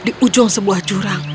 di ujung sebuah jurang